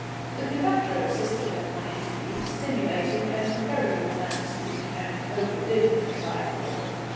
The conductor assisted at my interview, stimulating and encouraging the man to speak, and overdid it, as I thought.